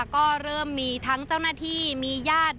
ก็เริ่มมีทั้งเจ้าหน้าที่มีญาติ